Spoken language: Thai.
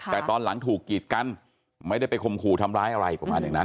แต่ตอนหลังถูกกีดกันไม่ได้ไปคมขู่ทำร้ายอะไรประมาณอย่างนั้น